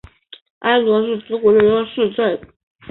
埃舍是德国下萨克森州的一个市镇。